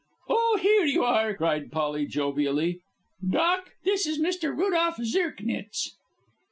"Oh! here you are," cried Polly, jovially. "Doc, this is Mr. Rudolph Zirknitz."